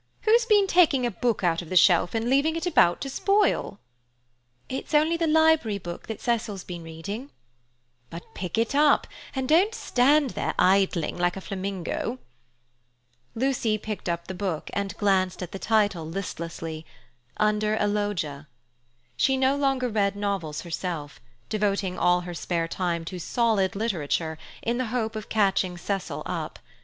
Who's been taking a book out of the shelf and leaving it about to spoil?" "It's only the library book that Cecil's been reading." "But pick it up, and don't stand idling there like a flamingo." Lucy picked up the book and glanced at the title listlessly, Under a Loggia. She no longer read novels herself, devoting all her spare time to solid literature in the hope of catching Cecil up.